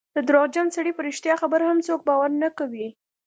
د درواغجن سړي په رښتیا خبره هم څوک باور نه کوي.